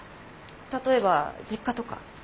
例えば実家とか。